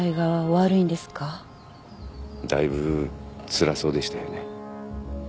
だいぶつらそうでしたよね。